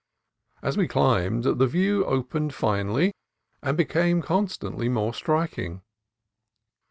As we climbed, the view opened finely and became con stantly more striking.